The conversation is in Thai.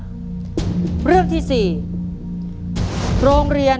แบบช่วยดูเสลจคือทำทุกอย่างที่ให้น้องอยู่กับแม่ได้นานที่สุด